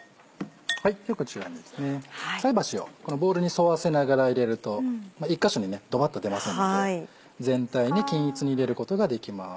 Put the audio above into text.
ではこちらにですね菜箸をボウルに沿わせながら入れると１か所にドバっと出ませんので全体に均一に入れることができます。